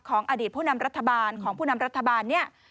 ของอดีตผู้นำรัฐบาลของผู้นำรัฐบาล